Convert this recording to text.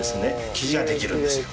生地ができるんですよ。